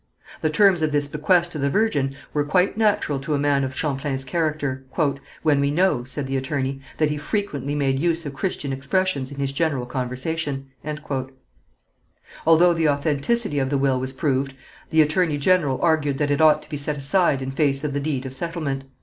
The terms of this bequest to the Virgin were quite natural to a man of Champlain's character, "When we know," said the attorney, "that he frequently made use of Christian expressions in his general conversation." Although the authenticity of the will was proved, the attorney general argued that it ought to be set aside in face of the deed of settlement.